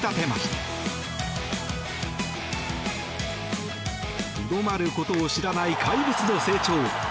とどまることを知らない怪物の成長。